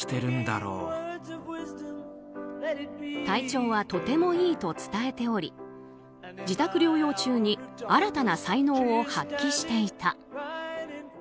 体調はとてもいいと伝えており自宅療養中に新たな才能を発揮していた。